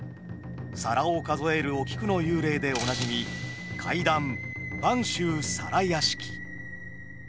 皿を数えるお菊の幽霊でおなじみ怪談「播州皿屋敷」。